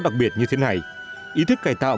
đặc biệt như thế này ý thức cải tạo